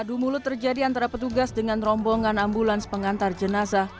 adu mulut terjadi antara petugas dengan rombongan ambulans pengantar jenazah